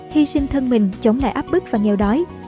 hy sinh thân mình chống lại áp bức và nghèo đói